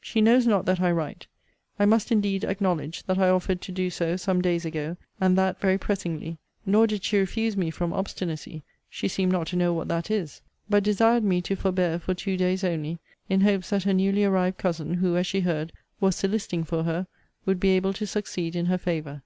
She knows not that I write. I must indeed acknowledge, that I offered to do so some days ago, and that very pressingly: nor did she refuse me from obstinacy she seemed not to know what that is but desired me to forbear for two days only, in hopes that her newly arrived cousin, who, as she heard, was soliciting for her, would be able to succeed in her favour.